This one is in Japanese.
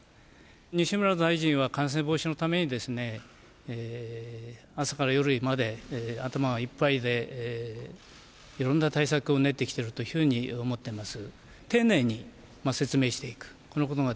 西村大臣は感染防止のために、朝から夜まで頭がいっぱいで、いろんな対策を練ってきてるというふうに思ってます。